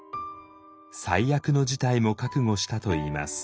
最悪の事態も覚悟したといいます。